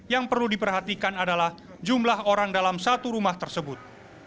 yang perlu diperhatikan adalah jumlah orang dalam satu rumah tersebut